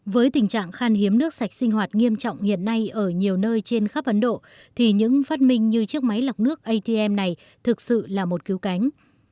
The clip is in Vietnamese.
với tình trạng khan hiếm nước sạch sinh hoạt nghiêm trọng hiện nay ở nhiều nơi trên khắp ấn độ thì những phát minh như chiếc máy lọc nước atm này thực sự là một cứu cánh